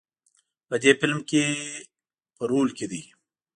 په دې فیلم کې په رول کې دی.